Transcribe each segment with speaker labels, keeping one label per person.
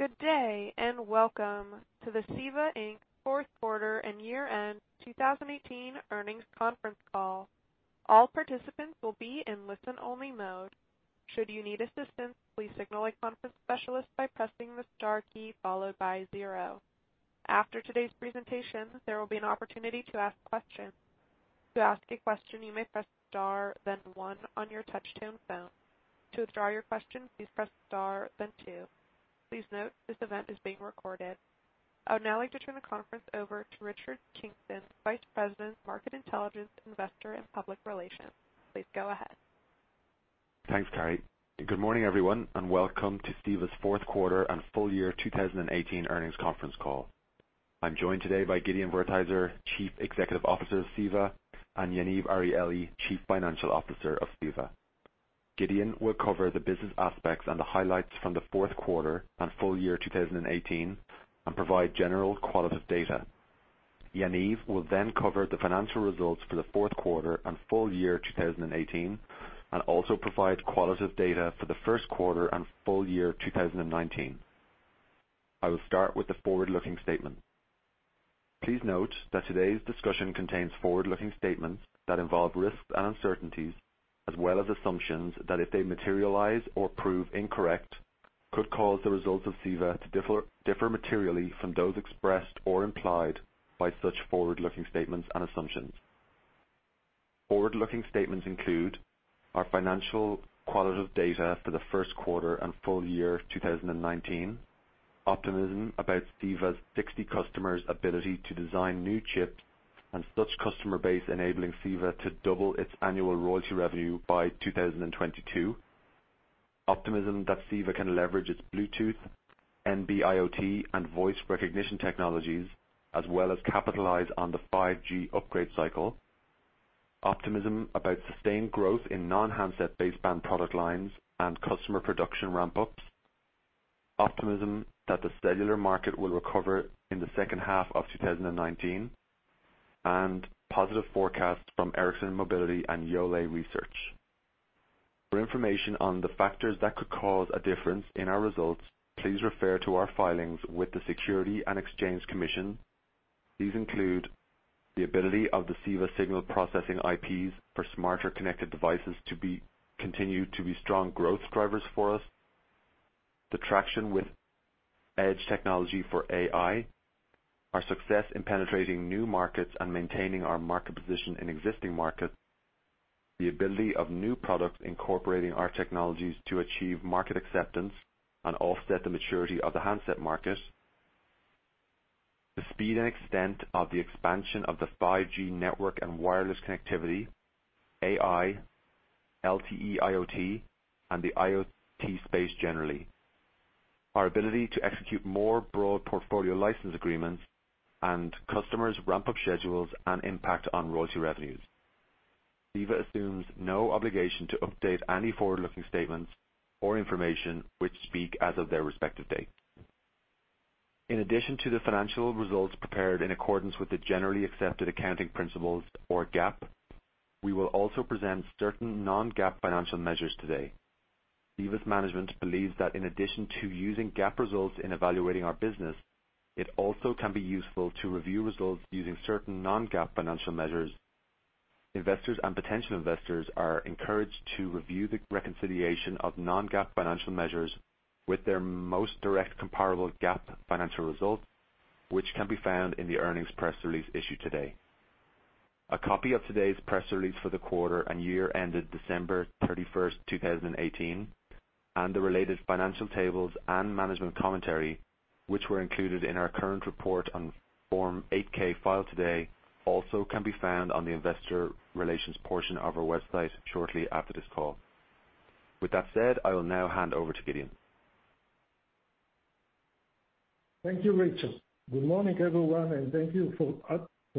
Speaker 1: Good day and welcome to the CEVA, Inc. Fourth Quarter and Year-end 2018 Earnings Conference Call. All participants will be in listen-only mode. Should you need assistance, please signal a conference specialist by pressing the star key followed by 0. After today's presentation, there will be an opportunity to ask questions. To ask a question, you may press star, then 1 on your touch-tone phone. To withdraw your question, please press star then 2. Please note this event is being recorded. I would now like to turn the conference over to Richard Kingston, Vice President, Market Intelligence, Investor and Public Relations. Please go ahead.
Speaker 2: Thanks, Carrie. Good morning, everyone, and welcome to CEVA's Fourth Quarter and Full Year 2018 Earnings Conference Call. I'm joined today by Gideon Wertheizer, Chief Executive Officer of CEVA, and Yaniv Arieli, Chief Financial Officer of CEVA. Gideon will cover the business aspects and the highlights from the fourth quarter and full year 2018 and provide general qualitative data. Yaniv will cover the financial results for the fourth quarter and full year 2018, and also provide qualitative data for the first quarter and full year 2019. I will start with the forward-looking statement. Please note that today's discussion contains forward-looking statements that involve risks and uncertainties, as well as assumptions that, if they materialize or prove incorrect, could cause the results of CEVA to differ materially from those expressed or implied by such forward-looking statements and assumptions. Forward-looking statements include our financial qualitative data for the first quarter and full year 2019, optimism about CEVA's 60 customers' ability to design new chips, and such customer base enabling CEVA to double its annual royalty revenue by 2022, optimism that CEVA can leverage its Bluetooth, NB-IoT, and voice recognition technologies, as well as capitalize on the 5G upgrade cycle, optimism about sustained growth in non-handset baseband product lines and customer production ramp-ups, optimism that the cellular market will recover in the second half of 2019, and positive forecasts from Ericsson Mobility and Yole Research. For information on the factors that could cause a difference in our results, please refer to our filings with the Securities and Exchange Commission. These include the ability of the CEVA signal processing IPs for smarter connected devices to continue to be strong growth drivers for us, the traction with edge technology for AI, our success in penetrating new markets and maintaining our market position in existing markets, the ability of new products incorporating our technologies to achieve market acceptance and offset the maturity of the handset market, the speed and extent of the expansion of the 5G network and wireless connectivity, AI, LTE IoT, and the IoT space generally, our ability to execute more broad portfolio license agreements, and customers' ramp-up schedules and impact on royalty revenues. CEVA assumes no obligation to update any forward-looking statements or information which speak as of their respective date. In addition to the financial results prepared in accordance with the generally accepted accounting principles or GAAP, we will also present certain non-GAAP financial measures today. CEVA's management believes that in addition to using GAAP results in evaluating our business, it also can be useful to review results using certain non-GAAP financial measures. Investors and potential investors are encouraged to review the reconciliation of non-GAAP financial measures with their most direct comparable GAAP financial results, which can be found in the earnings press release issued today. A copy of today's press release for the quarter and year ended December 31st, 2018, and the related financial tables and management commentary, which were included in our current report on Form 8-K filed today also can be found on the investor relations portion of our website shortly after this call. With that said, I will now hand over to Gideon.
Speaker 3: Thank you, Richard. Good morning, everyone, and thank you for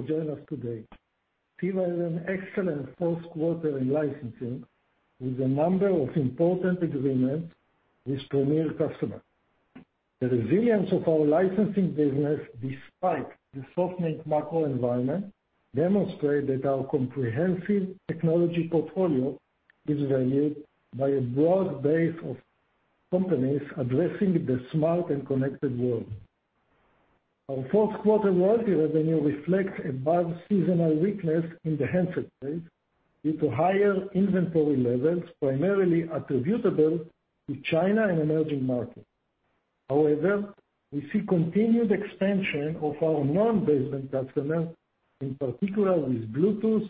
Speaker 3: joining us today. CEVA had an excellent fourth quarter in licensing with a number of important agreements with premier customers. The resilience of our licensing business, despite the softening macro environment, demonstrates that our comprehensive technology portfolio is valued by a broad base of companies addressing the smart and connected world. Our fourth quarter royalty revenue reflects above seasonal weakness in the handset space due to higher inventory levels, primarily attributable to China and emerging markets. However, we see continued expansion of our non-baseband customers, in particular with Bluetooth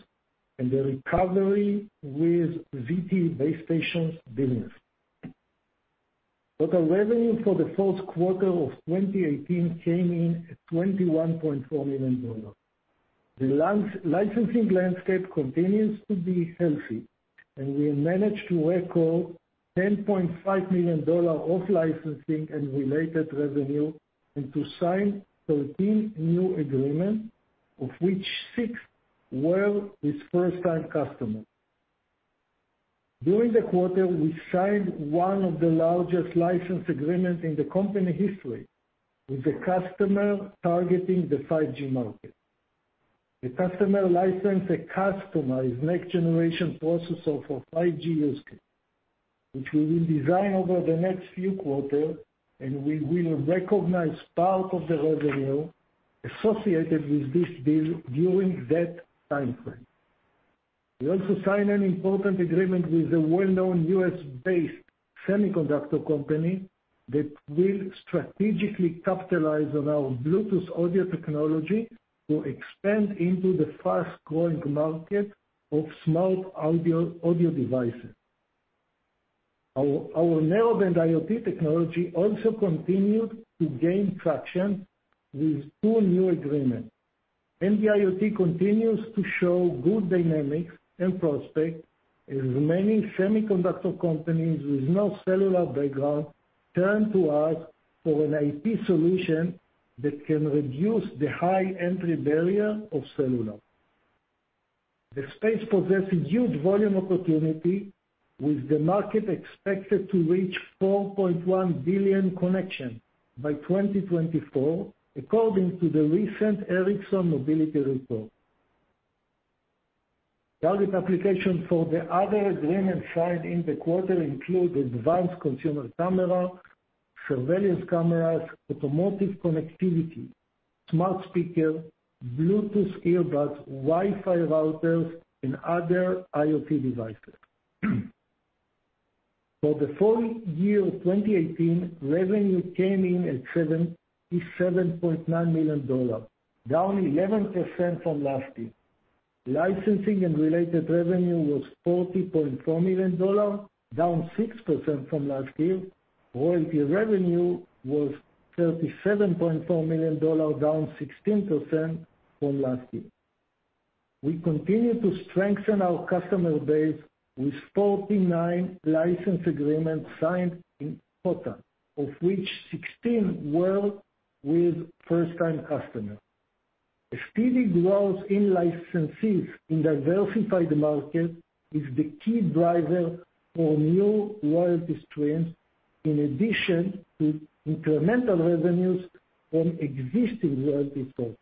Speaker 3: and the recovery with ZTE base stations business. Total revenue for the fourth quarter of 2018 came in at $21.4 million. The licensing landscape continues to be healthy. We managed to record $10.5 million of licensing and related revenue and to sign 13 new agreements, of which six were with first-time customers. During the quarter, we signed one of the largest license agreements in the company history with a customer targeting the 5G market. The customer licensed a customized next-generation processor for 5G use case, which we will design over the next few quarters, and we will recognize part of the revenue associated with this deal during that timeframe. We also signed an important agreement with a well-known U.S.-based semiconductor company that will strategically capitalize on our Bluetooth audio technology to expand into the fast-growing market of smart audio devices. Our Narrowband IoT technology also continued to gain traction with two new agreements. NB-IoT continues to show good dynamics and prospect, as many semiconductor companies with no cellular background turn to us for an IP solution that can reduce the high entry barrier of cellular. The space possesses huge volume opportunity, with the market expected to reach 4.1 billion connection by 2024, according to the recent Ericsson Mobility Report. Target applications for the other agreements signed in the quarter include advanced consumer camera, surveillance cameras, automotive connectivity, smart speaker, Bluetooth earbuds, Wi-Fi routers, and other IoT devices. For the full year 2018, revenue came in at $77.9 million, down 11% from last year. Licensing and related revenue was $40.4 million, down 6% from last year. Royalty revenue was $37.4 million, down 16% from last year. We continue to strengthen our customer base with 49 license agreements signed in total, of which 16 were with first-time customers. A steady growth in licensees in diversified market is the key driver for new royalty streams, in addition to incremental revenues from existing royalty sources.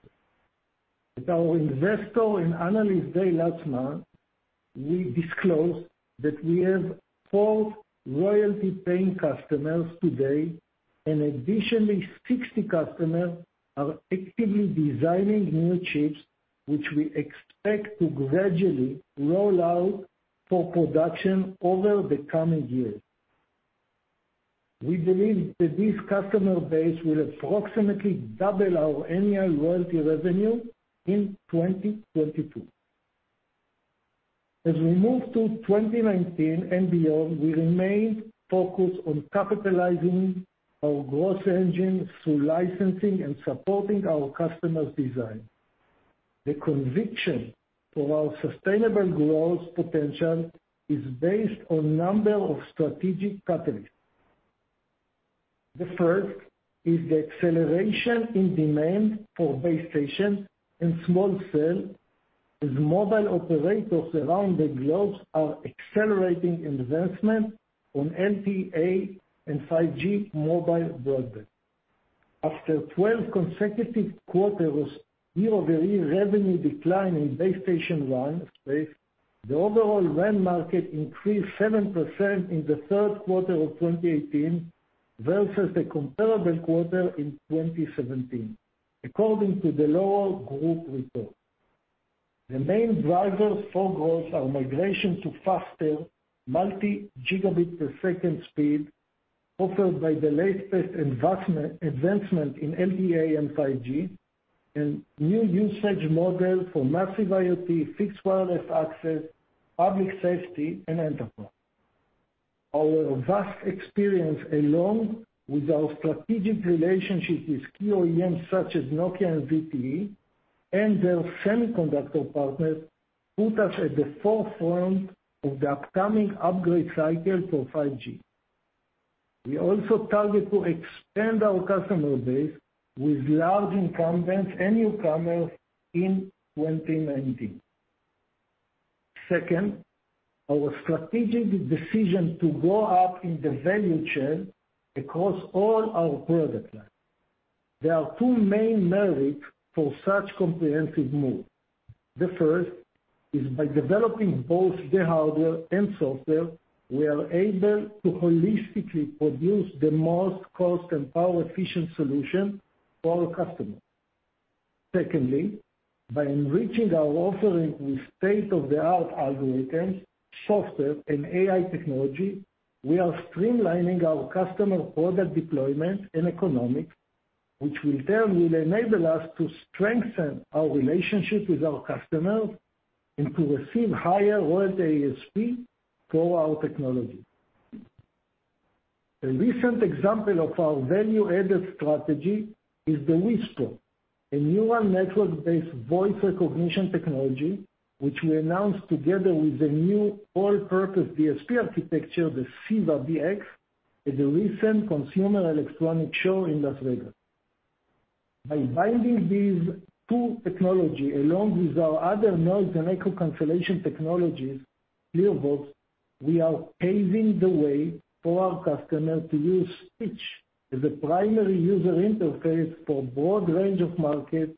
Speaker 3: At our Investor and Analyst Day last month, we disclosed that we have 12 royalty-paying customers today, and additionally, 60 customers are actively designing new chips, which we expect to gradually roll out for production over the coming years. We believe that this customer base will approximately double our annual royalty revenue in 2022. As we move to 2019 and beyond, we remain focused on capitalizing our growth engine through licensing and supporting our customers' design. The conviction for our sustainable growth potential is based on number of strategic catalysts. The first is the acceleration in demand for base stations and small cell, as mobile operators around the globe are accelerating investment on LTE-A and 5G mobile broadband. After 12 consecutive quarters year-over-year revenue decline in base station RAN space, the overall RAN market increased 7% in the third quarter of 2018 versus the comparable quarter in 2017, according to the Dell'Oro Group Report. The main drivers for growth are migration to faster multi-gigabit per second speed offered by the latest advancement in LTE-A and 5G, and new usage models for massive IoT, fixed wireless access, public safety, and enterprise. Our vast experience, along with our strategic relationship with key OEMs such as Nokia and ZTE and their semiconductor partners, put us at the forefront of the upcoming upgrade cycle for 5G. We also target to expand our customer base with large incumbents and newcomers in 2019. Second, our strategic decision to go up in the value chain across all our product lines. There are two main merits for such comprehensive move. The first is by developing both the hardware and software, we are able to holistically produce the most cost and power-efficient solution for our customers. Secondly, by enriching our offering with state-of-the-art algorithms, software, and AI technology, we are streamlining our customer product deployment and economics, which in turn will enable us to strengthen our relationship with our customers and to receive higher royalty ASP for our technology. A recent example of our value-added strategy is the WhisPro, a neural network-based voice recognition technology, which we announced together with a new all-purpose DSP architecture, the CEVA-BX, at the recent Consumer Electronics Show in Las Vegas. By binding these two technology, along with our other noise and echo cancellation technologies, ClearVox. We are paving the way for our customer to use speech as a primary user interface for broad range of markets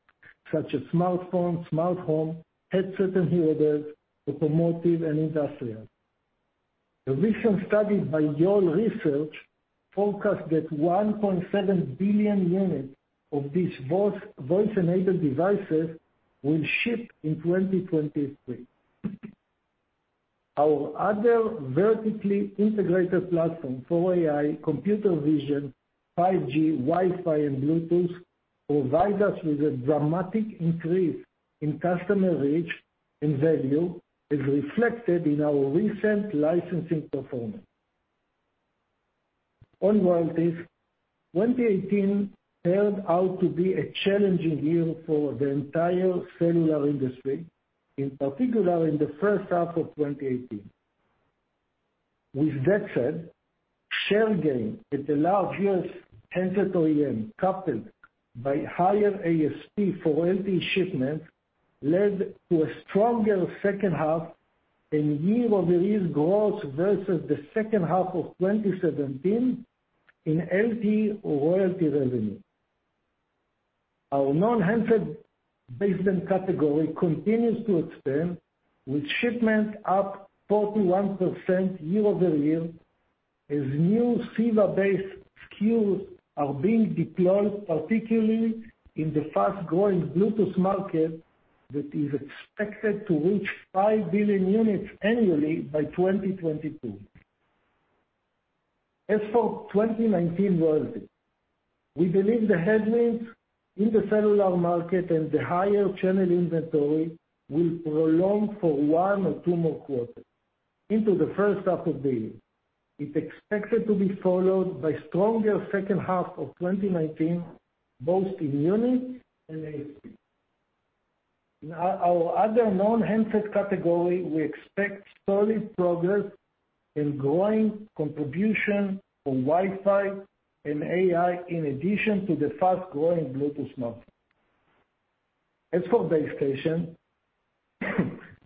Speaker 3: such as smartphone, smart home, headset and hearables, automotive, and industrial. A recent study by Yole Research forecast that 1.7 billion units of these voice-enabled devices will ship in 2023. Our other vertically integrated platform for AI, computer vision, 5G, Wi-Fi, and Bluetooth provide us with a dramatic increase in customer reach and value, as reflected in our recent licensing performance. On royalties, 2018 turned out to be a challenging year for the entire cellular industry, in particular in the first half of 2018. With that said, share gain at the large U.S. handset OEM, coupled by higher ASP for LTE shipments, led to a stronger second half and year-over-year growth versus the second half of 2017 in LTE royalty revenue. Our non-handset baseband category continues to expand, with shipments up 41% year-over-year as new CEVA-based SKUs are being deployed, particularly in the fast-growing Bluetooth market that is expected to reach 5 billion units annually by 2022. As for 2019 royalty, we believe the headwinds in the cellular market and the higher channel inventory will prolong for one or two more quarters into the first half of the year. It's expected to be followed by stronger second half of 2019, both in unit and ASP. In our other non-handset category, we expect steady progress in growing contribution for Wi-Fi and AI in addition to the fast-growing Bluetooth market. For base station,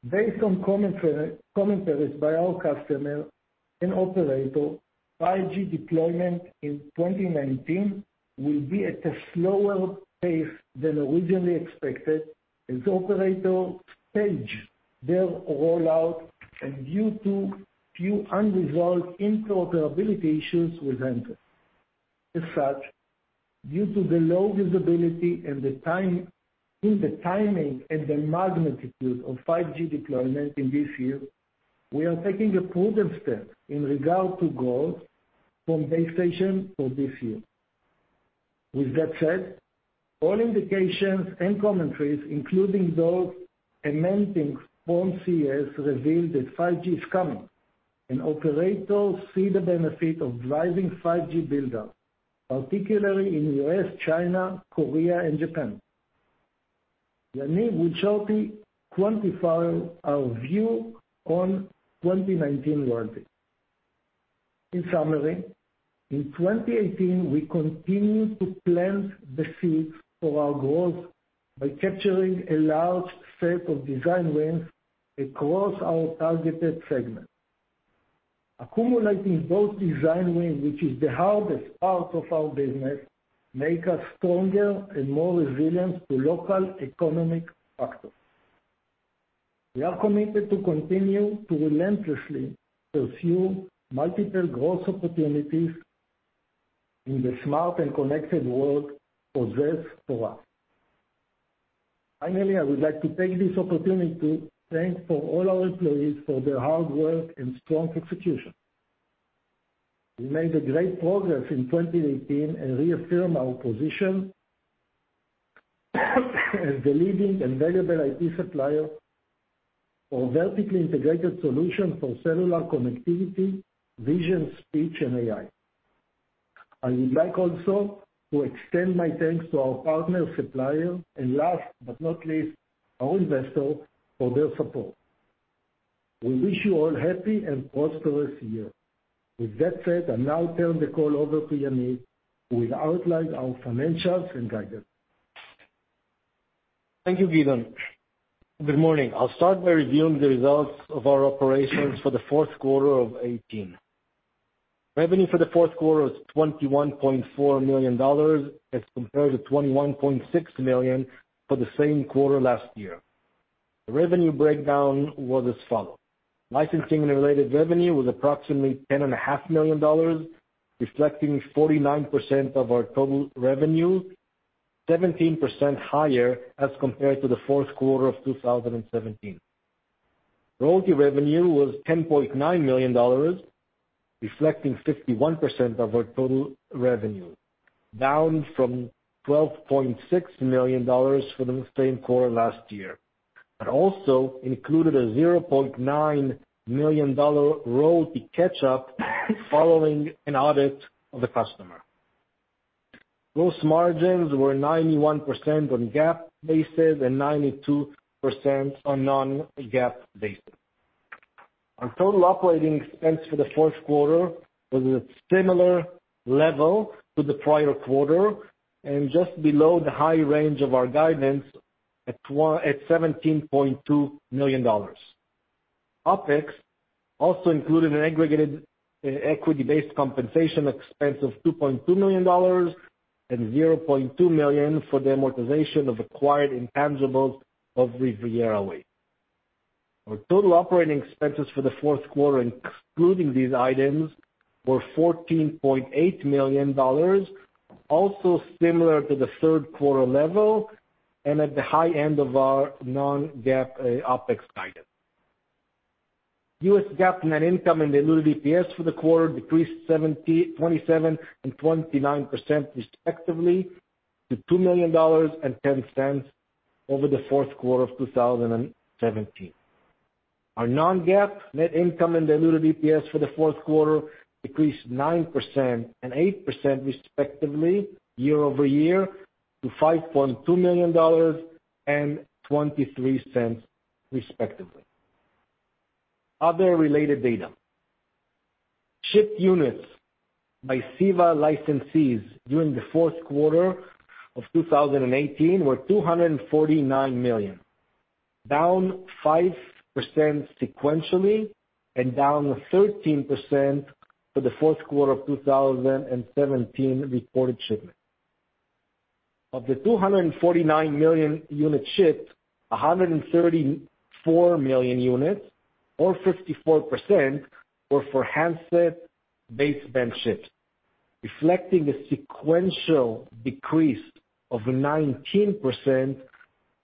Speaker 3: based on commentaries by our customer and operator, 5G deployment in 2019 will be at a slower pace than originally expected as operator stage their rollout and due to few unresolved interoperability issues with Android. As such, due to the low visibility in the timing and the magnitude of 5G deployment in this year, we are taking a prudent step in regard to growth from base station for this year. With that said, all indications and commentaries, including those emanating from CES, revealed that 5G is coming, and operators see the benefit of driving 5G buildup, particularly in U.S., China, Korea, and Japan. Yaniv will shortly quantify our view on 2019 royalty. In summary, in 2018, we continued to plant the seeds for our growth by capturing a large set of design wins across our targeted segment. Accumulating those design wins, which is the hardest part of our business, make us stronger and more resilient to local economic factors. We are committed to continue to relentlessly pursue multiple growth opportunities in the smart and connected world possessed for us. Finally, I would like to take this opportunity to thank for all our employees for their hard work and strong execution. We made great progress in 2018 and reaffirm our position as the leading and valuable IP supplier for vertically integrated solution for cellular connectivity, vision, speech, and AI. I would like also to extend my thanks to our partner supplier, and last but not least, our investor for their support. We wish you all happy and prosperous year. With that said, I now turn the call over to Yaniv, who will outline our financials and guidance.
Speaker 4: Thank you, Gideon. Good morning. I'll start by reviewing the results of our operations for the fourth quarter of 2018. Revenue for the fourth quarter was $21.4 million as compared to $21.6 million for the same quarter last year. The revenue breakdown was as follow: licensing and related revenue was approximately $10.5 million, reflecting 49% of our total revenue, 17% higher as compared to the fourth quarter of 2017. Royalty revenue was $10.9 million, reflecting 51% of our total revenue, down from $12.6 million for the same quarter last year, but also included a $0.9 million royalty catch-up following an audit of the customer. Gross margins were 91% on GAAP basis and 92% on non-GAAP basis. Our total operating expense for the fourth quarter was at similar level to the prior quarter and just below the high range of our guidance, at $17.2 million. OpEx also included an aggregated equity-based compensation expense of $2.2 million and $0.2 million for the amortization of acquired intangibles of RivieraWaves. Our total operating expenses for the fourth quarter, excluding these items, were $14.8 million, also similar to the third quarter level and at the high end of our non-GAAP OpEx guidance. U.S. GAAP net income and diluted EPS for the quarter decreased 27% and 29% respectively to $2.1 million over the fourth quarter of 2017. Our non-GAAP net income and diluted EPS for the fourth quarter decreased 9% and 8% respectively year-over-year to $5.2 million and $0.23 respectively. Other related data. Shipped units by CEVA licensees during the fourth quarter of 2018 were 249 million, down 5% sequentially and down 13% for the fourth quarter of 2017 reported shipments. Of the 249 million units shipped, 134 million units or 54% were for handset baseband shipped, reflecting a sequential decrease of 19%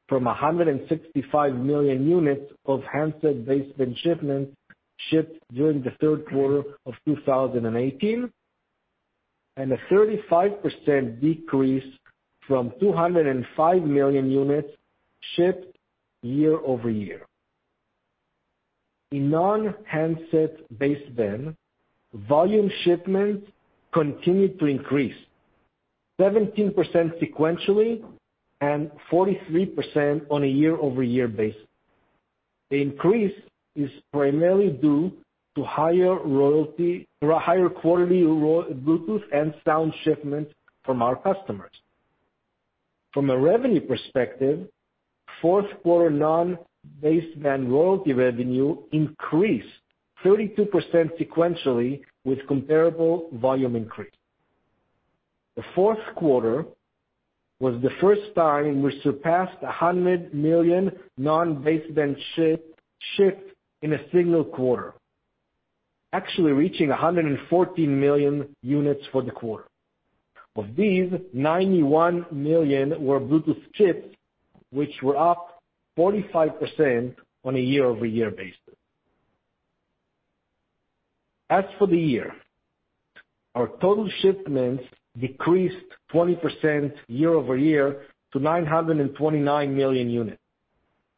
Speaker 4: from 165 million units of handset baseband shipments shipped during the third quarter of 2018, and a 35% decrease from 205 million units shipped year-over-year. In non-handset baseband, volume shipments continued to increase 17% sequentially and 43% on a year-over-year basis. The increase is primarily due to higher quarterly Bluetooth and sound shipments from our customers. From a revenue perspective, fourth quarter non-baseband royalty revenue increased 32% sequentially with comparable volume increase. The fourth quarter was the first time we surpassed 100 million non-baseband shifts in a single quarter, actually reaching 140 million units for the quarter. Of these, 91 million were Bluetooth chips, which were up 45% on a year-over-year basis. As for the year, our total shipments decreased 20% year-over-year to 929 million units,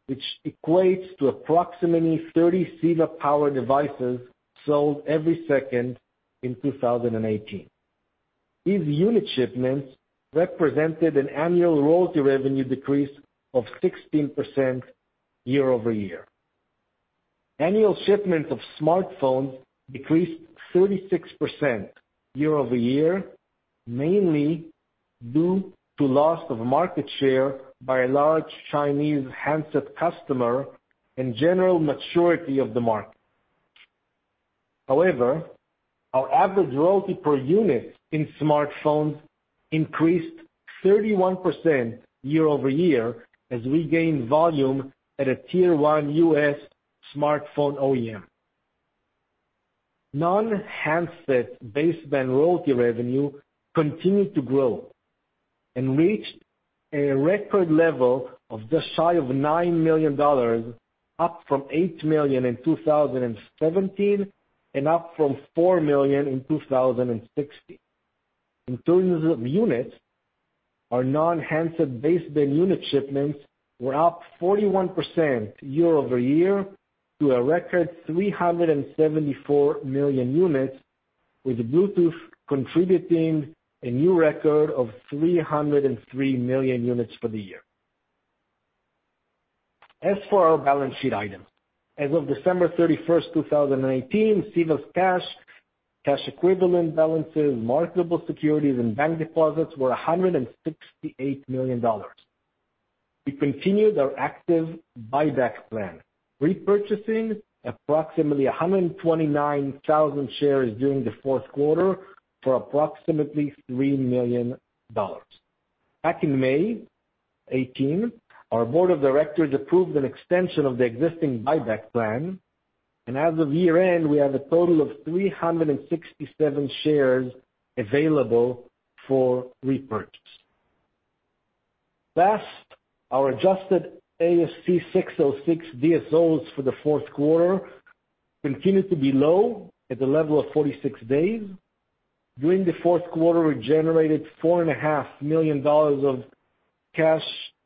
Speaker 4: which equates to approximately 30 CEVA power devices sold every second in 2018. These unit shipments represented an annual royalty revenue decrease of 16% year-over-year. Annual shipments of smartphones decreased 36% year-over-year, mainly due to loss of market share by a large Chinese handset customer and general maturity of the market. However, our average royalty per unit in smartphones increased 31% year-over-year as we gained volume at a tier 1 U.S. smartphone OEM. Non-handset baseband royalty revenue continued to grow and reached a record level of just shy of $9 million, up from $8 million in 2017 and up from $4 million in 2016. In terms of units, our non-handset baseband unit shipments were up 41% year-over-year to a record 374 million units, with Bluetooth contributing a new record of 303 million units for the year. As for our balance sheet items, as of December 31st, 2018, CEVA's cash equivalent balances, marketable securities, and bank deposits were $168 million. We continued our active buyback plan, repurchasing approximately 129,000 shares during the fourth quarter for approximately $3 million. Back in May 2018, our board of directors approved an extension of the existing buyback plan, and as of year-end, we have a total of 367 shares available for repurchase. Last, our adjusted ASC 606 DSOs for the fourth quarter continued to be low at the level of 46 days. During the fourth quarter, we generated $4.5 million of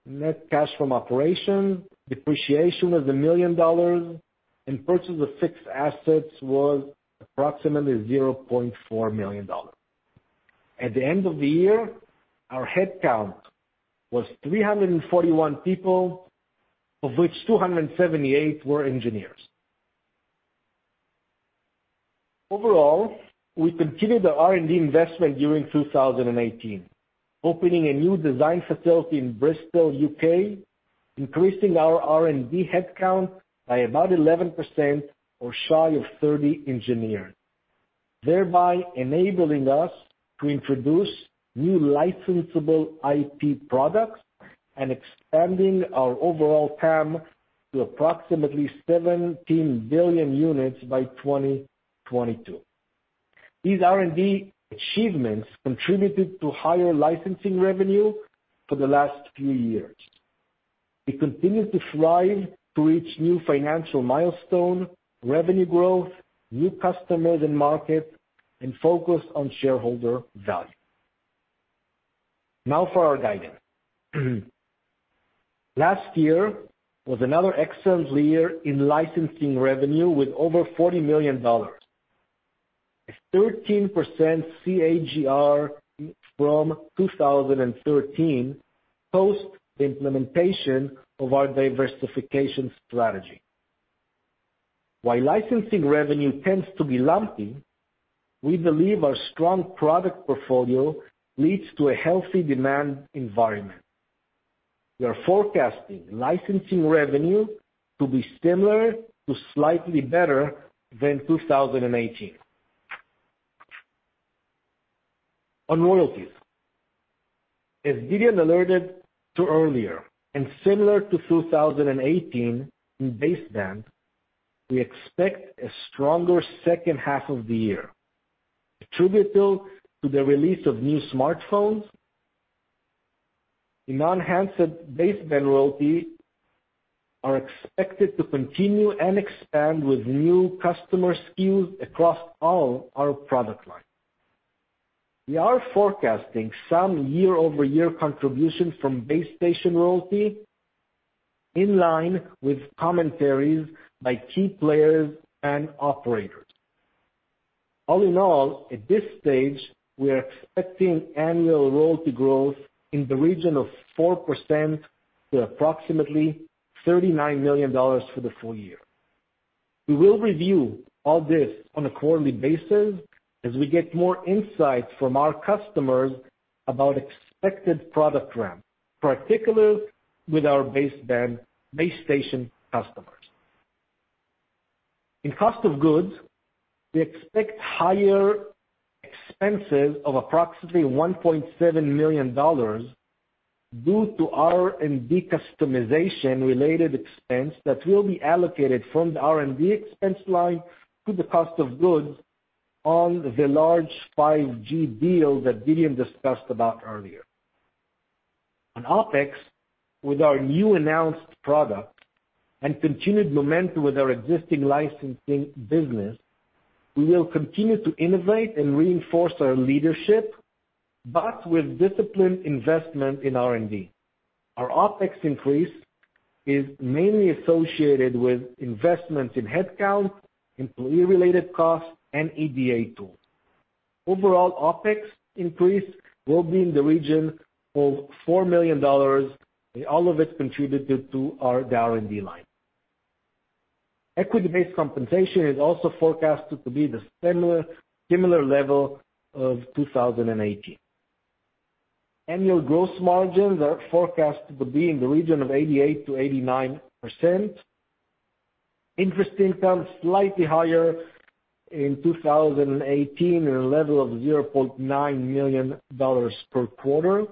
Speaker 4: net cash from operations, depreciation was $1 million, and purchase of fixed assets was approximately $0.4 million. At the end of the year, our headcount was 341 people, of which 278 were engineers. We continued the R&D investment during 2018, opening a new design facility in Bristol, U.K., increasing our R&D headcount by about 11% or shy of 30 engineers. Enabling us to introduce new licensable IP products and expanding our overall TAM to approximately 17 billion units by 2022. These R&D achievements contributed to higher licensing revenue for the last few years. We continue to thrive to reach new financial milestones, revenue growth, new customers and markets, and focus on shareholder value. For our guidance. Last year was another excellent year in licensing revenue with over $40 million. 13% CAGR from 2013, post the implementation of our diversification strategy. Licensing revenue tends to be lumpy, we believe our strong product portfolio leads to a healthy demand environment. We are forecasting licensing revenue to be similar to slightly better than 2018. On royalties, as Gideon alluded to earlier, and similar to 2018 in baseband, we expect a stronger second half of the year, attributable to the release of new smartphones. In non-handset baseband royalties are expected to continue and expand with new customer SKUs across all our product lines. We are forecasting some year-over-year contribution from base station royalty in line with commentaries by key players and operators. At this stage, we are expecting annual royalty growth in the region of 4% to approximately $39 million for the full year. We will review all this on a quarterly basis as we get more insights from our customers about expected product ramp, particularly with our baseband base station customers. Cost of goods, we expect higher expenses of approximately $1.7 million due to R&D customization related expense that will be allocated from the R&D expense line to the cost of goods on the large 5G deal that Gideon discussed about earlier. OpEx, with our new announced product and continued momentum with our existing licensing business, we will continue to innovate and reinforce our leadership, but with disciplined investment in R&D. Our OpEx increase is mainly associated with investments in headcount, employee-related costs, and EDA tools. OpEx increase will be in the region of $4 million, and all of it contributed to our R&D line. Equity-based compensation is also forecasted to be the similar level of 2018. Annual gross margins are forecasted to be in the region of 88%-89%. Interest income, slightly higher in 2018 at a level of $0.9 million per quarter.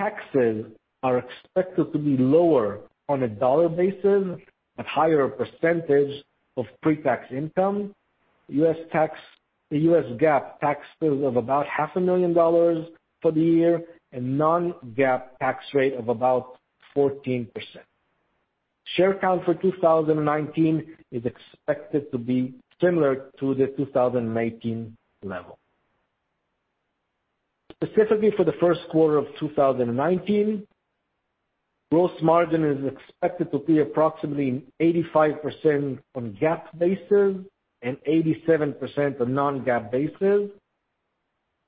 Speaker 4: Taxes are expected to be lower on a dollar basis, a higher percentage of pre-tax income, U.S. GAAP tax bill of about half a million dollars for the year, and non-GAAP tax rate of about 14%. Share count for 2019 is expected to be similar to the 2019 level. Specifically for the first quarter of 2019, gross margin is expected to be approximately 85% on GAAP basis and 87% on non-GAAP basis.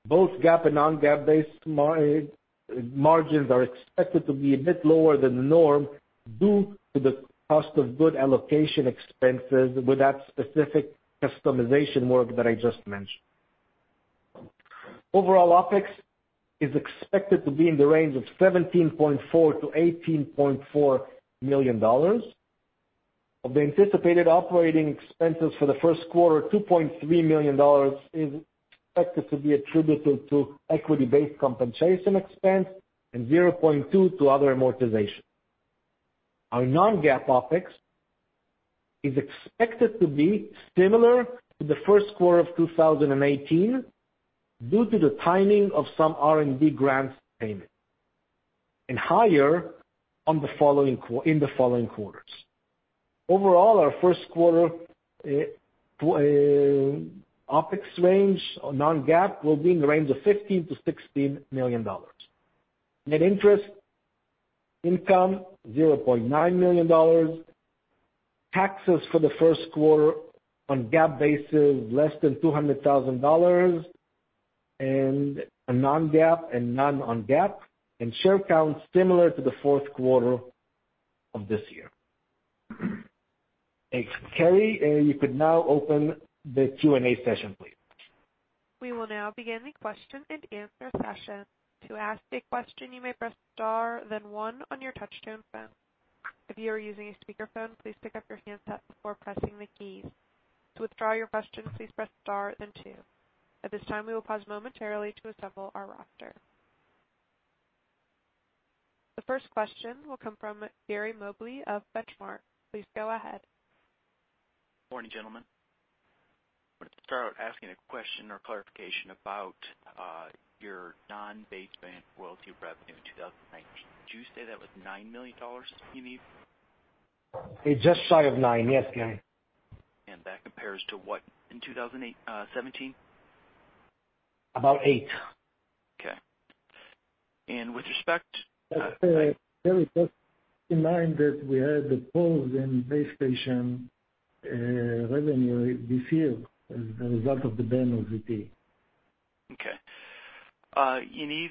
Speaker 4: GAAP and non-GAAP based margins are expected to be a bit lower than the norm due to the cost of goods allocation expenses with that specific customization work that I just mentioned. OpEx is expected to be in the range of $17.4 million-$18.4 million. Of the anticipated operating expenses for the first quarter, $2.3 million is expected to be attributable to equity-based compensation expense and $0.2 to other amortization. Our non-GAAP OpEx is expected to be similar to the first quarter of 2018 due to the timing of some R&D grants payment, and higher in the following quarters. Overall, our first quarter OpEx range on non-GAAP will be in the range of $15 million-$16 million. Net interest income, $0.9 million. Taxes for the first quarter on GAAP basis, less than $200,000. A non-GAAP and share count similar to the fourth quarter of this year. Carrie, you could now open the Q&A session, please.
Speaker 1: We will now begin the question-and-answer session. To ask a question, you may press star then one on your touchtone phone. If you are using a speakerphone, please pick up your handset before pressing the keys. To withdraw your question, please press star then two. At this time, we will pause momentarily to assemble our roster. The first question will come from Gary Mobley of Benchmark. Please go ahead.
Speaker 5: Morning, gentlemen. Want to start asking a question or clarification about your non-baseband royalty revenue in 2019. Did you say that was $9 million, Yaniv?
Speaker 4: It's just shy of $9 million. Yes, Gary.
Speaker 5: That compares to what in 2017?
Speaker 4: About $8 million.
Speaker 5: Okay.
Speaker 3: Gary, just keep in mind that we had a pause in base station revenue this year as a result of the ban of ZTE.
Speaker 5: Okay. You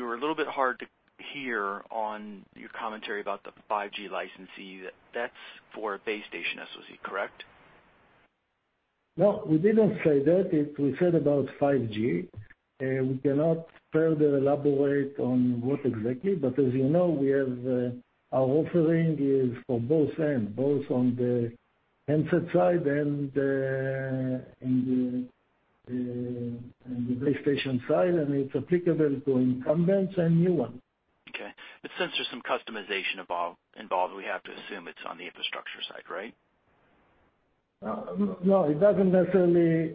Speaker 5: were a little bit hard to hear on your commentary about the 5G licensee. That's for base station SoC, correct?
Speaker 3: No, we didn't say that. We said about 5G. We cannot further elaborate on what exactly, but as you know, our offering is for both end, both on the handset side and the base station side, and it's applicable to incumbents and new ones.
Speaker 5: Okay. Since there's some customization involved, we have to assume it's on the infrastructure side, right?
Speaker 3: No, it doesn't necessarily,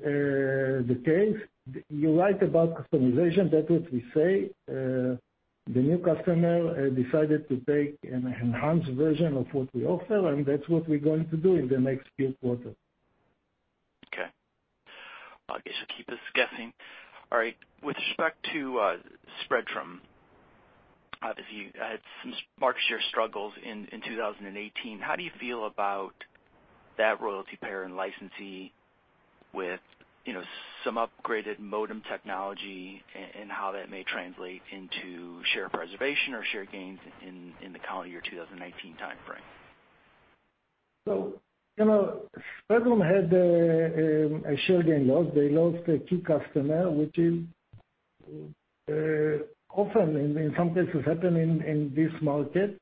Speaker 3: the case. You're right about customization. That's what we say. The new customer decided to take an enhanced version of what we offer, and that's what we're going to do in the next few quarters.
Speaker 5: Okay. Well, I guess you'll keep us guessing. All right, with respect to Spreadtrum. Obviously, had some market share struggles in 2018. How do you feel about that royalty payer and licensee with some upgraded modem technology, and how that may translate into share preservation or share gains in the calendar year 2019 timeframe?
Speaker 3: Spreadtrum had a share gain loss. They lost a key customer, which often in some cases happen in this market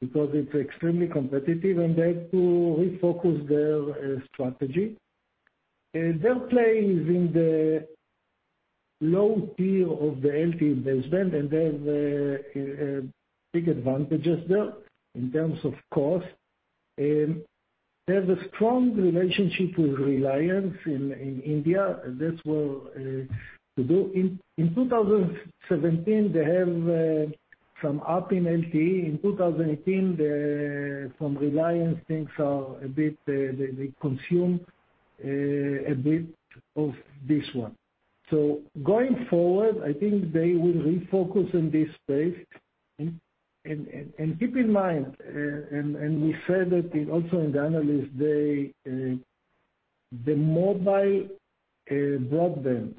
Speaker 3: because it's extremely competitive, and they had to refocus their strategy. Their play is in the low tier of the LTE baseband, and they have big advantages there in terms of cost. They have a strong relationship with Reliance in India. That will do. In 2017, they have some up in LTE. In 2018, from Reliance, things are a bit, they consume a bit of this one. Going forward, I think they will refocus on this space. Keep in mind, and we said that also in the Analyst Day, the mobile broadband,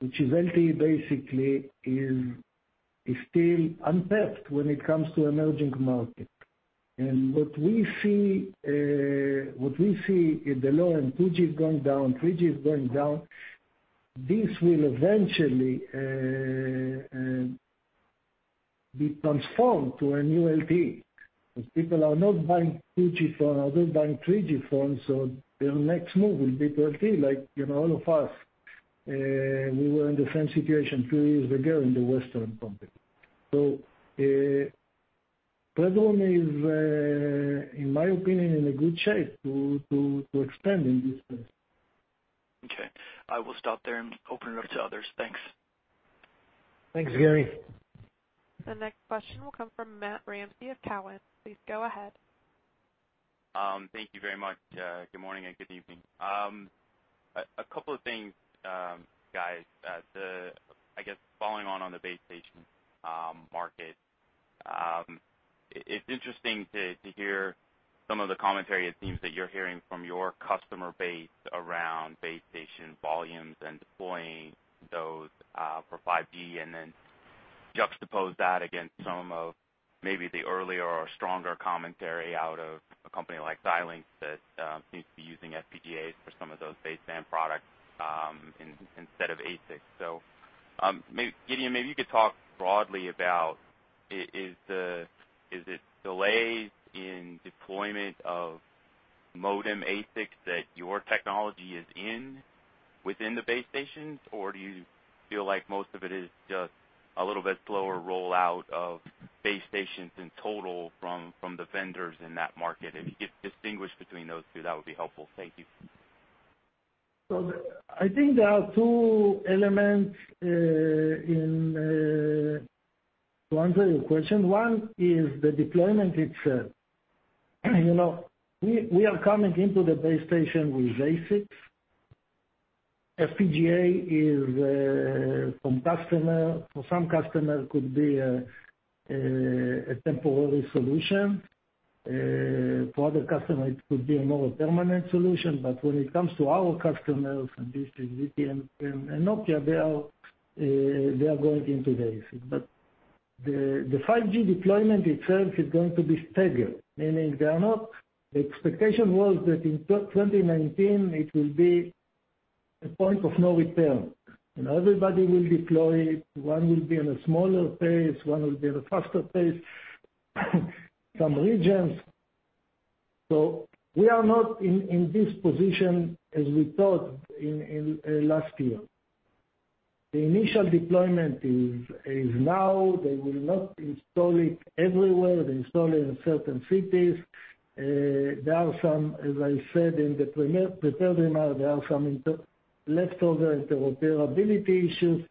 Speaker 3: which is LTE, basically, is still untapped when it comes to emerging markets. What we see at the low end, 2G is going down, 3G is going down. This will eventually be transformed to a new LTE, because people are not buying 2G phone, are not buying 3G phones, so their next move will be to LTE, like all of us. We were in the same situation two years ago in the Western company. Spreadtrum is, in my opinion, in a good shape to expand in this space.
Speaker 5: Okay. I will stop there and open it up to others. Thanks.
Speaker 4: Thanks, Gary.
Speaker 1: The next question will come from Matt Ramsay of Cowen. Please go ahead.
Speaker 6: Thank you very much. Good morning and good evening. A couple of things, guys. I guess following on the base station market, it's interesting to hear some of the commentary it seems that you're hearing from your customer base around base station volumes and deploying those for 5G, then juxtapose that against some of maybe the earlier or stronger commentary out of a company like Xilinx that seems to be using FPGAs for some of those baseband products instead of ASICS. Gideon, maybe you could talk broadly about, is it delays in deployment of modem ASICS that your technology is in within the base stations, or do you feel like most of it is just a little bit slower rollout of base stations in total from the vendors in that market? If you could distinguish between those two, that would be helpful. Thank you.
Speaker 3: I think there are two elements to answer your question. One is the deployment itself. We are coming into the base station with ASICS. FPGA is, for some customers, could be a temporary solution. For other customers, it could be a more permanent solution. When it comes to our customers, from BT, VPN, and Nokia, they are going into the ASICS. The 5G deployment itself is going to be staggered, meaning the expectation was that in 2019, it will be a point of no return, and everybody will deploy. One will be at a smaller pace, one will be at a faster pace, some regions. We are not in this position as we thought in last year. The initial deployment is now. They will not install it everywhere. They install it in certain cities. As I said in the prepared remarks, there are some leftover interoperability issues.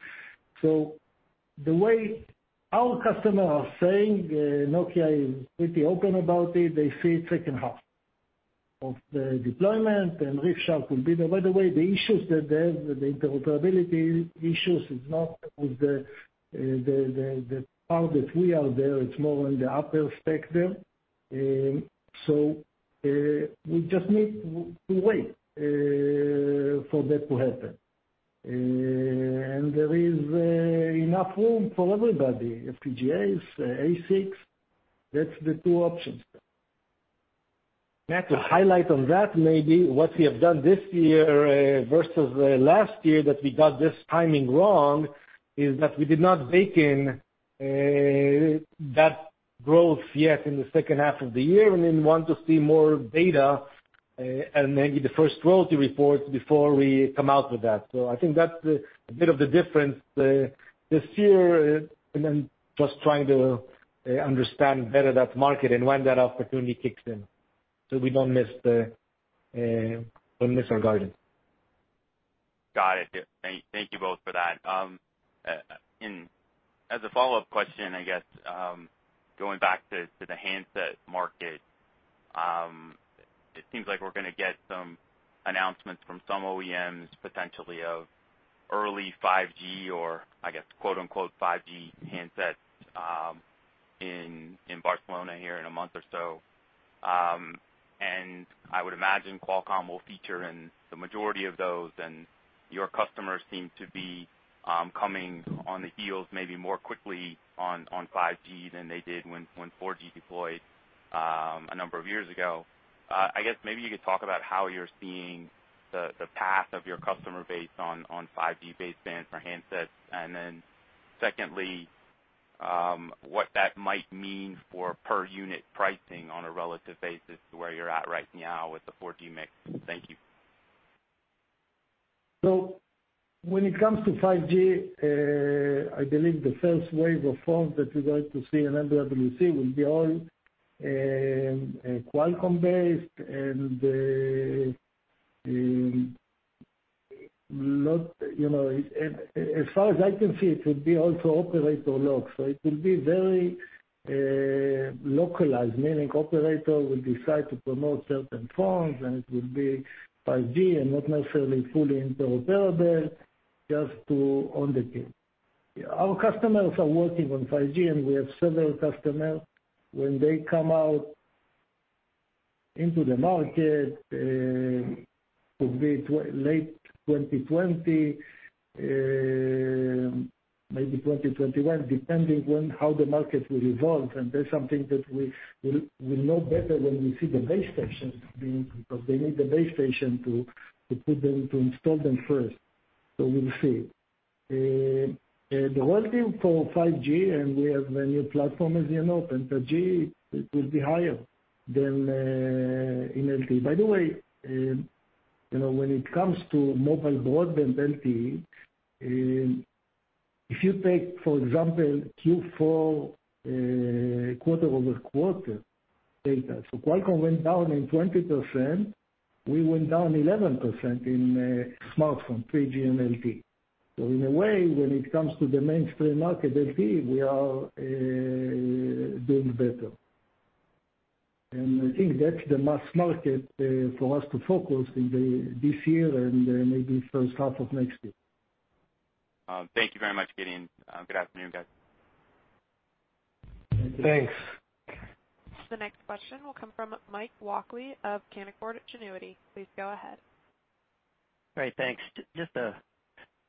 Speaker 3: The way our customers are saying, Nokia is pretty open about it. They see second half of the deployment, and RivieraWaves could be there. By the way, the issues that they have, the interoperability issues, is not with the part that we are there. It's more on the upper spectrum. We just need to wait for that to happen. There is enough room for everybody, FPGAs, ASICS, that is the two options.
Speaker 4: Matt, to highlight on that, maybe what we have done this year versus last year that we got this timing wrong, is that we did not bake in that growth yet in the second half of the year, want to see more data and maybe the first royalty report before we come out with that. I think that's a bit of the difference this year, and then just trying to understand better that market and when that opportunity kicks in, so we don't miss our guidance.
Speaker 6: Got it. Thank you both for that. As a follow-up question, I guess, going back to the handset market, it seems like we're going to get some announcements from some OEMs, potentially of early 5G or I guess "5G" handsets in Barcelona here in a month or so. I would imagine Qualcomm will feature in the majority of those, and your customers seem to be coming on the heels maybe more quickly on 5G than they did when 4G deployed a number of years ago. I guess, maybe you could talk about how you're seeing the path of your customer base on 5G baseband for handsets, and then secondly, what that might mean for per unit pricing on a relative basis to where you're at right now with the 4G mix. Thank you.
Speaker 3: When it comes to 5G, I believe the first wave of phones that you're going to see in MWC will be all Qualcomm based and as far as I can see, it will be also operator locked. It will be very localized, meaning operator will decide to promote certain phones, and it will be 5G and not necessarily fully interoperable, just to own the game. Our customers are working on 5G, we have several customers. When they come out into the market, could be late 2020, maybe 2021, depending how the market will evolve. That's something that we'll know better when we see the base stations, because they need the base station to install them first. We'll see. The royalty for 5G, and we have many platforms in open, 5G will be higher than in LTE. By the way, when it comes to mobile broadband LTE, if you take, for example, Q4 quarter-over-quarter data. Qualcomm went down 20%, we went down 11% in smartphone, 3G, and LTE. In a way, when it comes to the mainstream market, LTE, we are doing better. I think that's the mass market for us to focus in this year and maybe first half of next year.
Speaker 6: Thank you very much, Gideon. Good afternoon, guys.
Speaker 3: Thank you.
Speaker 4: Thanks.
Speaker 1: The next question will come from Mike Walkley of Canaccord Genuity. Please go ahead.
Speaker 7: Great. Thanks. Just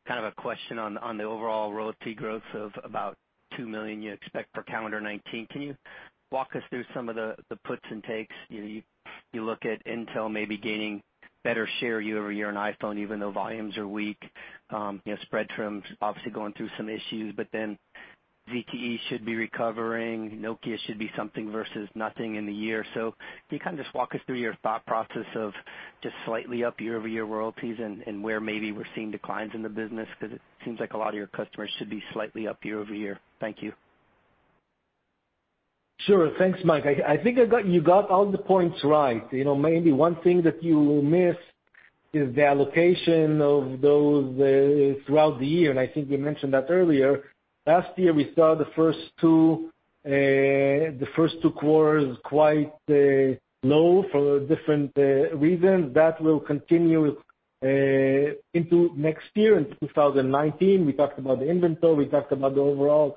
Speaker 7: a question on the overall royalty growth of about $2 million you expect for calendar 2019. Can you walk us through some of the puts and takes? You look at Intel maybe gaining better share year-over-year in iPhone, even though volumes are weak. Spreadtrum's obviously going through some issues, but ZTE should be recovering. Nokia should be something versus nothing in the year. Can you just walk us through your thought process of just slightly up year-over-year royalties and where maybe we're seeing declines in the business? It seems like a lot of your customers should be slightly up year-over-year. Thank you.
Speaker 4: Sure. Thanks, Mike. I think you got all the points right. Maybe one thing that you missed is the allocation of those throughout the year, and I think we mentioned that earlier. Last year, we saw the first two quarters quite low for different reasons. That will continue into next year, into 2019, we talked about the inventory, we talked about the overall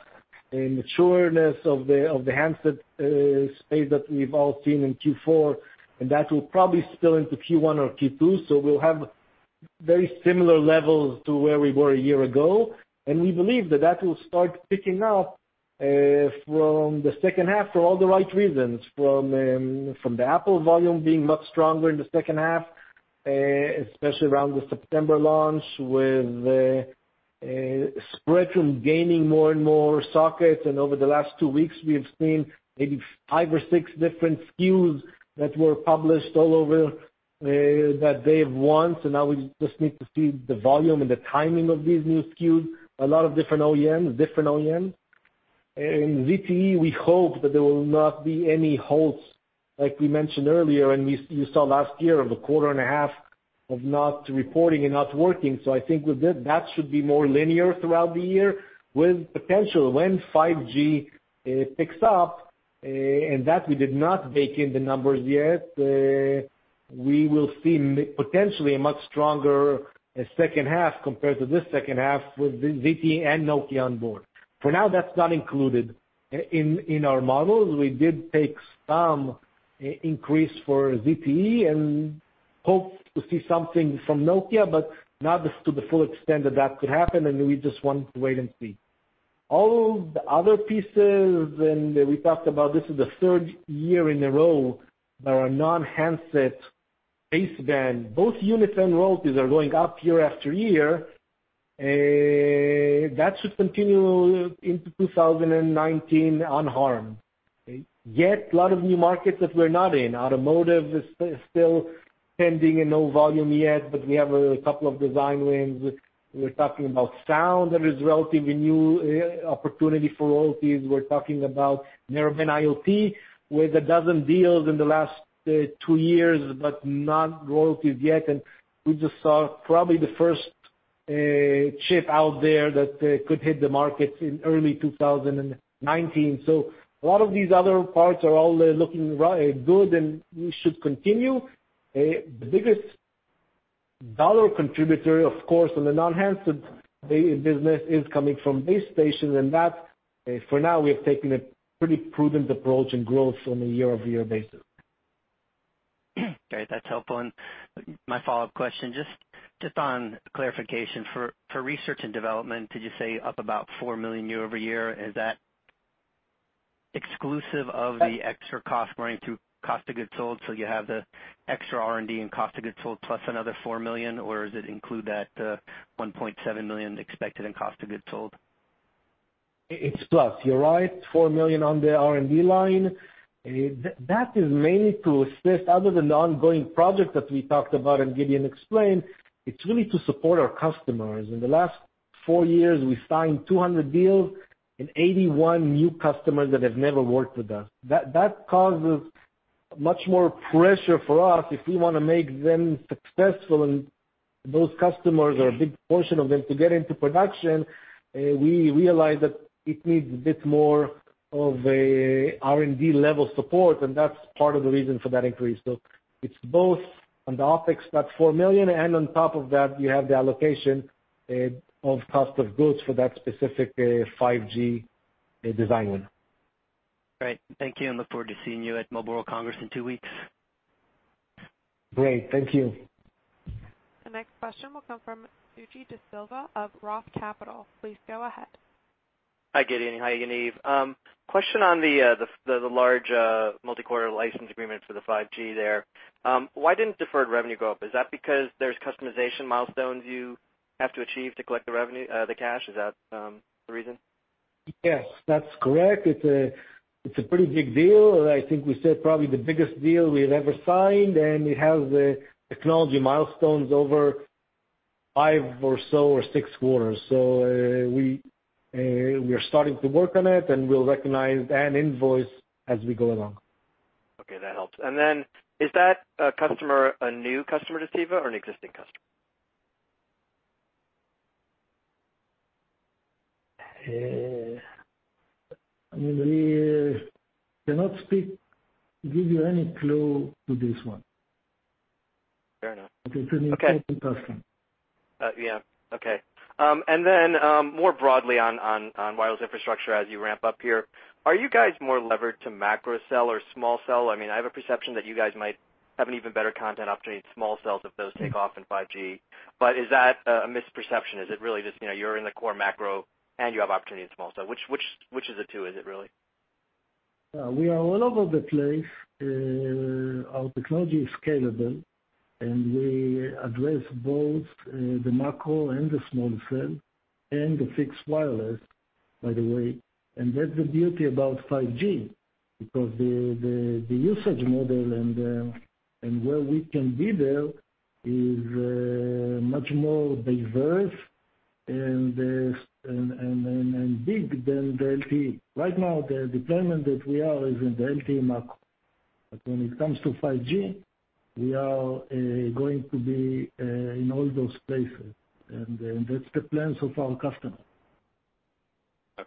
Speaker 4: immaturity of the handset space that we've all seen in Q4, and that will probably spill into Q1 or Q2. We'll have very similar levels to where we were a year ago, and we believe that that will start picking up from the second half for all the right reasons. From the Apple volume being much stronger in the second half, especially around the September launch, with Spreadtrum gaining more and more sockets. Over the last two weeks, we have seen maybe five or six different SKUs that were published all over that they want. Now we just need to see the volume and the timing of these new SKUs. A lot of different OEMs. In ZTE, we hope that there will not be any halts, like we mentioned earlier, and you saw last year of a quarter and a half of not reporting and not working. I think that should be more linear throughout the year with potential when 5G picks up, and that we did not bake in the numbers yet. We will see potentially a much stronger second half compared to this second half with ZTE and Nokia on board. For now, that's not included in our models. We did take some increase for ZTE and hope to see something from Nokia, but not to the full extent that that could happen, and we just want to wait and see. All the other pieces, and we talked about, this is the third year in a row that our non-handset baseband, both units and royalties, are going up year after year. That should continue into 2019 unharmed. Yet, a lot of new markets that we're not in. Automotive is still pending and no volume yet, but we have a couple of design wins. We're talking about sound that is a relatively new opportunity for royalties. We're talking about Narrowband IoT, with a dozen deals in the last two years, but not royalties yet. We just saw probably the first chip out there that could hit the market in early 2019. A lot of these other parts are all looking good, and we should continue. The biggest dollar contributor, of course, on the non-handset business is coming from base stations, and that, for now, we have taken a pretty prudent approach in growth on a year-over-year basis.
Speaker 7: Great. That's helpful. My follow-up question, just on clarification. For research and development, did you say up about $4 million year-over-year? Is that exclusive of the extra cost going through cost of goods sold? You have the extra R&D and cost of goods sold plus another $4 million, or does it include that $1.7 million expected in cost of goods sold?
Speaker 4: It's plus. You're right, $4 million on the R&D line. That is mainly to assist other than the ongoing project that we talked about and Gideon explained, it's really to support our customers. In the last four years, we signed 200 deals and 81 new customers that have never worked with us. That causes much more pressure for us if we want to make them successful and those customers are a big portion of them to get into production, we realize that it needs a bit more of a R&D level support, and that's part of the reason for that increase. It's both on the OpEx, that $4 million, and on top of that, you have the allocation of cost of goods for that specific 5G design win.
Speaker 7: Great. Thank you. I look forward to seeing you at Mobile World Congress in two weeks.
Speaker 4: Great. Thank you.
Speaker 1: The next question will come from Suji DeSilva of Roth Capital. Please go ahead.
Speaker 8: Hi, Gideon. Hi, Yaniv. Question on the large multi-quarter license agreement for the 5G there. Why didn't deferred revenue go up? Is that because there's customization milestones you have to achieve to collect the cash? Is that the reason?
Speaker 4: Yes, that's correct. It's a pretty big deal, and I think we said probably the biggest deal we've ever signed, and it has technology milestones over five or so or six quarters. We're starting to work on it, and we'll recognize and invoice as we go along.
Speaker 8: Okay, that helps. Is that customer a new customer to CEVA or an existing customer?
Speaker 4: We cannot give you any clue to this one.
Speaker 8: Fair enough.
Speaker 4: It's an important customer.
Speaker 8: Yeah. Okay. More broadly on wireless infrastructure as you ramp up here, are you guys more levered to macro cell or small cell? I have a perception that you guys might have an even better content opportunity in small cells if those take off in 5G. Is that a misperception? Is it really just, you're in the core macro and you have opportunity in small cell? Which is it, is it really?
Speaker 4: We are all over the place. Our technology is scalable, and we address both the macro and the small cell, and the fixed wireless, by the way. That's the beauty about 5G, because the usage model and where we can be there is much more diverse and big than the LTE. Right now, the deployment that we are is in the LTE macro. When it comes to 5G, we are going to be in all those places, and that's the plans of our customer.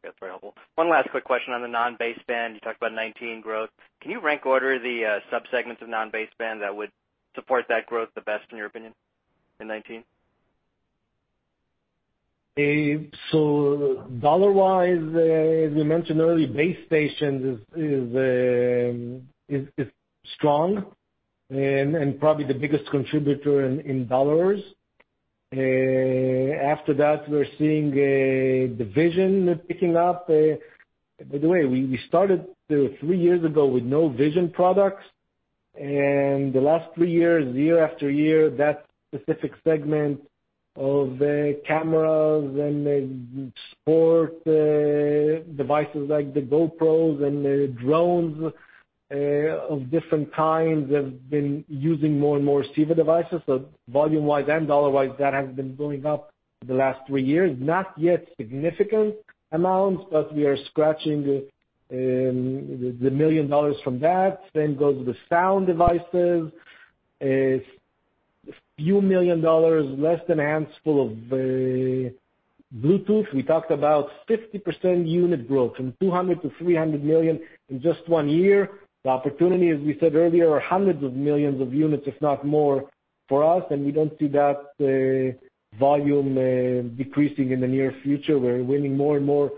Speaker 8: That's very helpful. One last quick question on the non-baseband. You talked about 2019 growth. Can you rank order the sub-segments of non-baseband that would support that growth the best, in your opinion, in 2019?
Speaker 4: Dollar-wise, as we mentioned early, base stations is strong and probably the biggest contributor in dollars. After that, we're seeing the vision picking up. By the way, we started, three years ago, with no vision products, and the last three years, year after year, that specific segment of cameras and sport devices like the GoPros and drones of different kinds have been using more and more CEVA devices. Volume-wise and dollar-wise, that has been going up the last three years. Not yet significant amounts, but we are scratching the $1 million from that. Same goes with sound devices. A few million dollars, less than a handful of Bluetooth. We talked about 50% unit growth, from $200-$300 million in just one year. The opportunity, as we said earlier, are hundreds of millions of units, if not more, for us. We don't see that volume decreasing in the near future. We're winning more and more.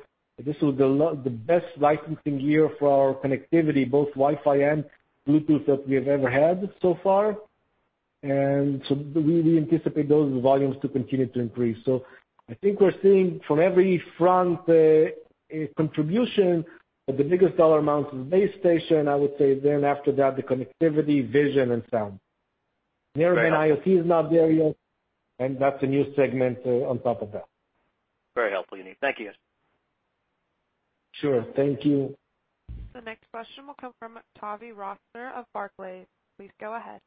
Speaker 4: This was the best licensing year for our connectivity, both Wi-Fi and Bluetooth, that we have ever had so far. We anticipate those volumes to continue to increase. I think we're seeing from every front, a contribution, but the biggest dollar amount is base station, I would say, then after that, the connectivity, vision, and sound.
Speaker 8: Right.
Speaker 4: Near-term IoT is not there yet. That's a new segment on top of that.
Speaker 8: Very helpful, Yaniv. Thank you guys.
Speaker 4: Sure. Thank you.
Speaker 1: The next question will come from Tavy Rosner of Barclays. Please go ahead.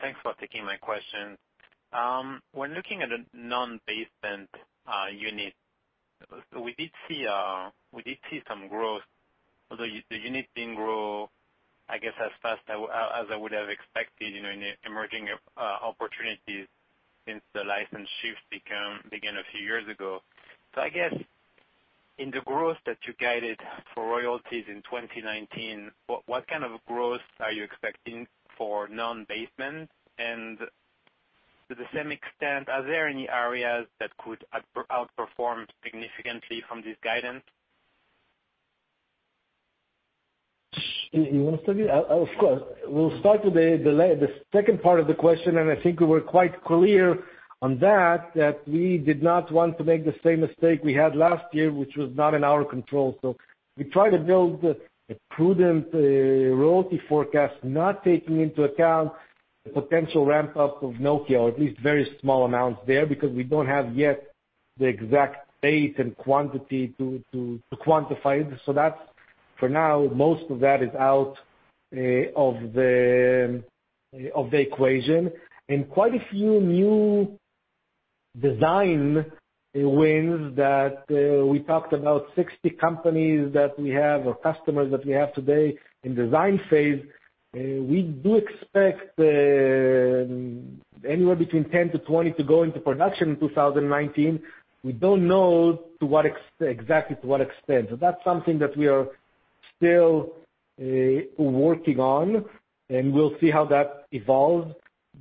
Speaker 9: Thanks for taking my question. When looking at a non-baseband unit, we did see some growth, although the unit didn't grow, I guess, as fast as I would've expected in the emerging opportunities since the license shifts began a few years ago. I guess, in the growth that you guided for royalties in 2019, what kind of growth are you expecting for non-baseband? Are there any areas that could outperform significantly from this guidance?
Speaker 4: You want to start it? Of course. We'll start with the second part of the question, and I think we were quite clear on that we did not want to make the same mistake we had last year, which was not in our control. We try to build a prudent royalty forecast, not taking into account the potential ramp-up of Nokia, or at least very small amounts there, because we don't have yet the exact date and quantity to quantify it. That, for now, most of that is out of the equation. Quite a few new design wins that we talked about, 60 companies that we have or customers that we have today in design phase, we do expect anywhere between 10-20 to go into production in 2019. We don't know exactly to what extent. That's something that we are still working on, we'll see how that evolves.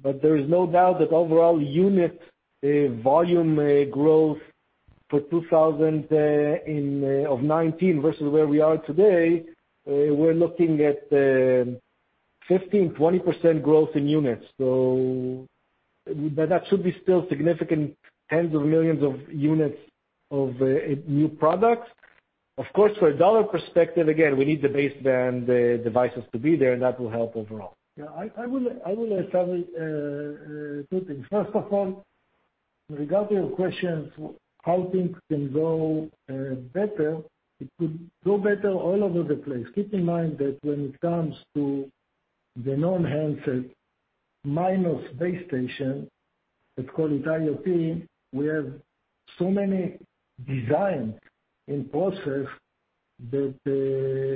Speaker 4: There is no doubt that overall unit volume growth for 2019 versus where we are today, we're looking at 15%-20% growth in units. That should be still significant tens of millions of units of new products. Of course, for a dollar perspective, again, we need the baseband devices to be there, that will help overall.
Speaker 3: Yeah. I will establish two things. First of all, regarding your question of how things can go better, it could go better all over the place. Keep in mind that when it comes to the non-handset minus base station, let's call it IoT, we have so many designs in process that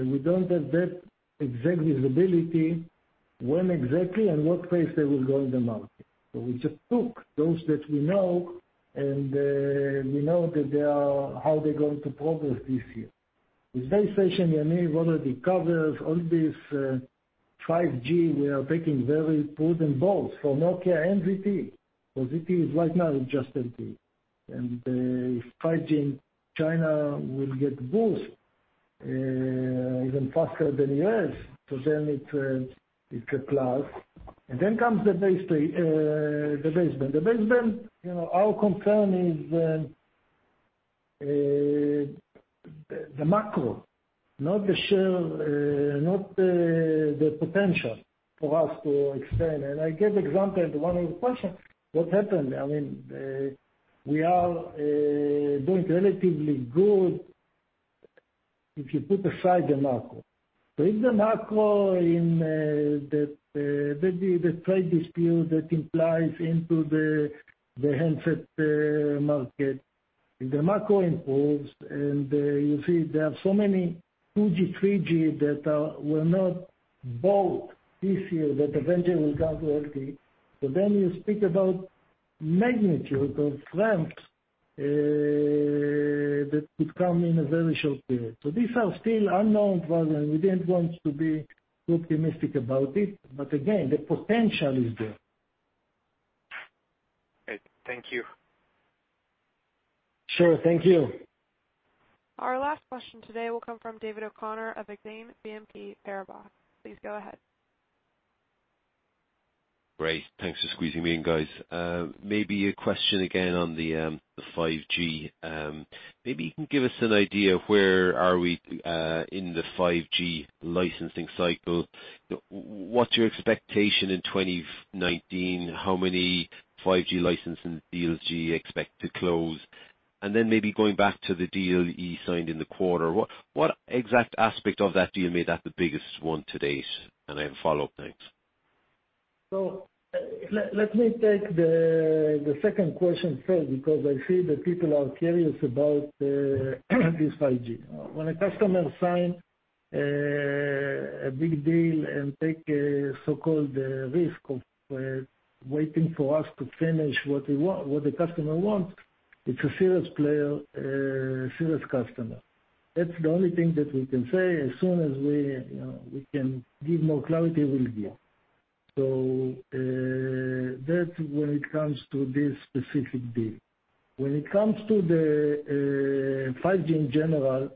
Speaker 3: we don't have that exact visibility when exactly and what phase they will go in the market. We just took those that we know, and we know how they're going to progress this year. With base station, Yaniv already covers all this 5G. We are taking very prudent bolts from Nokia and ZTE, because ZTE is right now is just LTE. 5G in China will get boost even faster than the U.S., it's a plus. Then comes the baseband. The baseband, our concern is the macro, not the potential for us to expand. I gave example to one of your questions, what happened? We are doing relatively good if you put aside the macro. If the macro in the trade dispute that implies into the handset market, if the macro improves and you see there are so many 2G, 3G that were not bought this year that eventually will come to LTE. You speak about magnitude of ramps, that could come in a very short period. These are still unknown, and we didn't want to be too optimistic about it, but again, the potential is there.
Speaker 9: Great. Thank you.
Speaker 3: Sure. Thank you.
Speaker 1: Our last question today will come from David O'Connor of Exane BNP Paribas. Please go ahead.
Speaker 10: Great, thanks for squeezing me in, guys. Maybe a question again on the 5G. Maybe you can give us an idea of where are we in the 5G licensing cycle. What's your expectation in 2019? How many 5G licensing deals do you expect to close? Maybe going back to the deal you signed in the quarter, what exact aspect of that deal made that the biggest one to date? I have a follow-up. Thanks.
Speaker 3: Let me take the second question first because I see that people are curious about this 5G. When a customer signs a big deal and take a so-called risk of waiting for us to finish what the customer wants, it's a serious player, serious customer. That's the only thing that we can say. As soon as we can give more clarity, we will give. That's when it comes to this specific deal. When it comes to the 5G in general,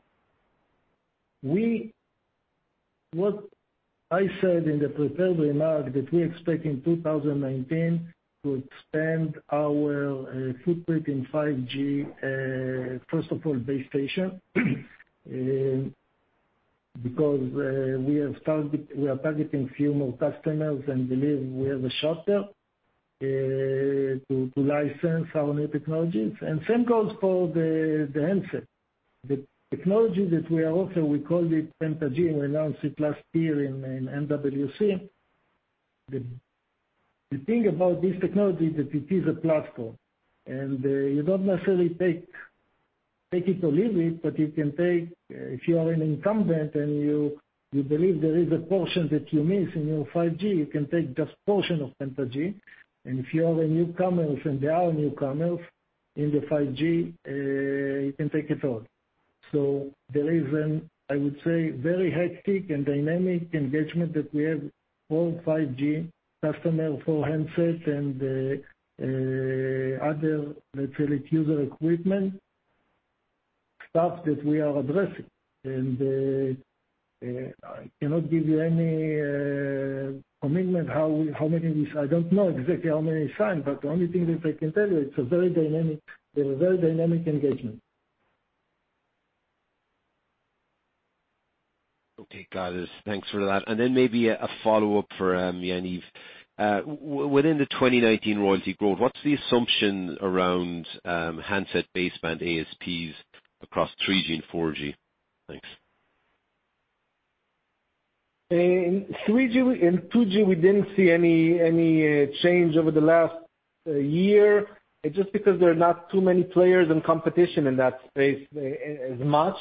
Speaker 3: from what I said in the prepared remarks, we expect in 2019 to expand our footprint in 5G, first of all, base station, because we are targeting a few more customers and believe we have a shot there to license our new technologies. The same goes for the handset. The technology that we are offering, we call it PentaG. We announced it last year in MWC. The thing about this technology is that it is a platform, and you don't necessarily take it or leave it, but if you are an incumbent and you believe there is a portion that you miss in your 5G, you can take just a portion of PentaG. If you are a newcomer, and there are newcomers in the 5G, you can take it all. There is an, I would say, very hectic and dynamic engagement that we have for all 5G customers for handsets and other, let's say, user equipment stuff that we are addressing. I cannot give you any commitment how many of these. I don't know exactly how many signed, but the only thing that I can tell you, it's a very dynamic engagement.
Speaker 10: Okay, got it. Thanks for that. Maybe a follow-up for Yaniv. Within the 2019 royalty growth, what's the assumption around handset baseband ASPs across 3G and 4G? Thanks.
Speaker 4: In 3G and 2G, we didn't see any change over the last year, just because there are not too many players and competition in that space as much.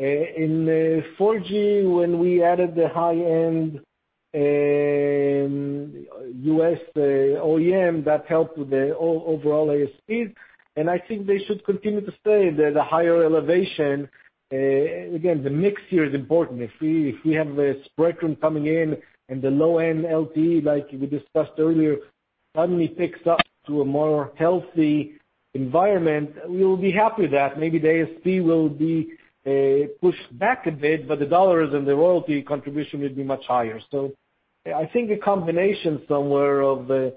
Speaker 4: In 4G, when we added the high-end U.S. OEM, that helped with the overall ASPs, and I think they should continue to stay at the higher elevation. Again, the mix here is important. If we have the Spreadtrum coming in and the low-end LTE, like we discussed earlier, suddenly picks up to a more healthy environment, we will be happy with that. Maybe the ASP will be pushed back a bit, but the dollars and the royalty contribution will be much higher. So I think a combination somewhere of the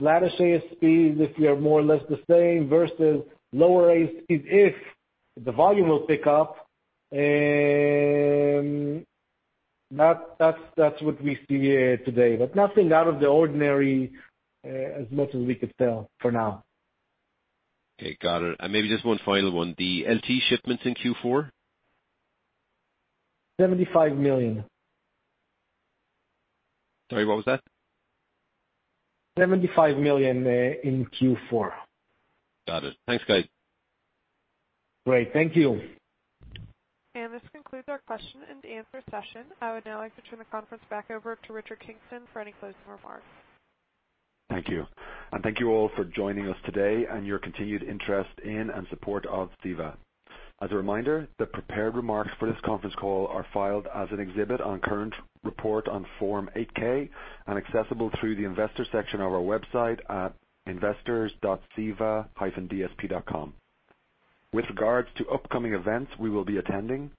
Speaker 4: latest ASPs, if we are more or less the same, versus lower ASPs, if the volume will pick up, that's what we see today. Nothing out of the ordinary as much as we could tell for now.
Speaker 10: Okay, got it. Maybe just one final one, the LTE shipments in Q4?
Speaker 4: $75 million.
Speaker 10: Sorry, what was that?
Speaker 4: $75 million in Q4.
Speaker 10: Got it. Thanks, guys.
Speaker 4: Great. Thank you.
Speaker 1: This concludes our question-and-answer session. I would now like to turn the conference back over to Richard Kingston for any closing remarks.
Speaker 2: Thank you. Thank you all for joining us today and your continued interest in and support of CEVA. As a reminder, the prepared remarks for this conference call are filed as an exhibit on current report on Form 8-K and accessible through the investor section of our website at investors.ceva-dsp.com. With regards to upcoming events we will be attending,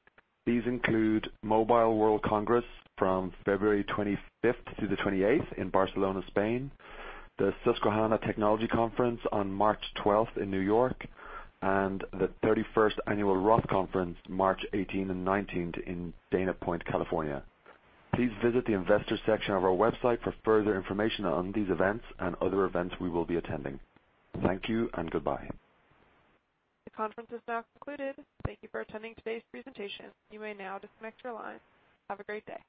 Speaker 2: these include Mobile World Congress from February 25th to the 28th in Barcelona, Spain, the Susquehanna Technology Conference on March 12th in New York, and the 31st Annual Roth Conference March 18 and 19th in Dana Point, California. Please visit the investor section of our website for further information on these events and other events we will be attending. Thank you and goodbye.
Speaker 1: The conference is now concluded. Thank you for attending today's presentation. You may now disconnect your line. Have a great day.